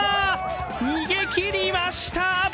逃げきりました！